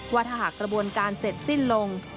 ว่าถ้าหากกระบวนการเสร็จสิ้นลง